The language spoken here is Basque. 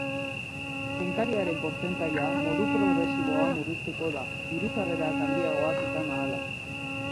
Kenkariaren portzentajea modu progresiboan murriztuko da, diru-sarrerak handiagoak izan ahala.